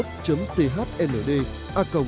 phòng xây dựng đảng